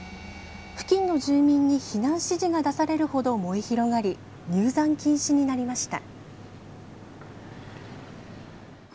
付近の住民に避難指示が出されるほど燃え広がり、入山禁止になりました。